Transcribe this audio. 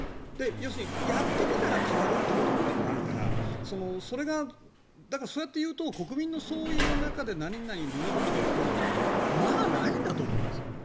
要するに、やってみたら変わることもあるからそうやって言うと国民の総意の中で何々の物事が起こるということはまあ、ないんだと思うんですね。